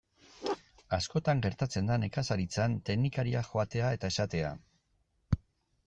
Askotan gertatzen da nekazaritzan teknikariak joatea eta esatea.